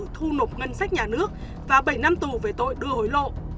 thu nộp ngân sách nhà nước và bảy năm tù về tội đưa hối lộ